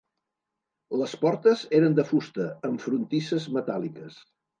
Les portes eren de fusta amb frontisses metàl·liques.